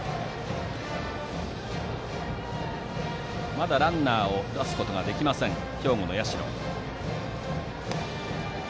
まだランナーを出すことができません、兵庫の社。